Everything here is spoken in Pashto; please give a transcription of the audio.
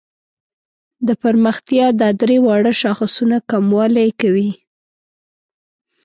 د پرمختیا دا درې واړه شاخصونه کموالي کوي.